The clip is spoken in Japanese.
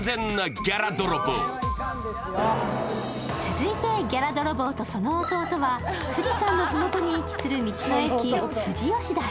続いてギャラ泥棒とその弟は富士山の麓に位置する道の駅富士吉田へ。